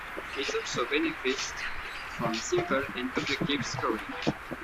It also benefits from simple and objective scoring.